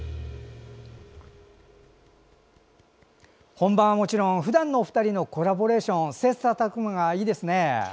本番はもちろんふだんのお二人のコラボレーションせっさ琢磨がいいですね。